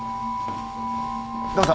どうぞ。